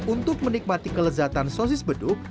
untuk menikmati kelezatan sosis beduk